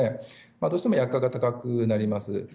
どうしても薬価が高くなります。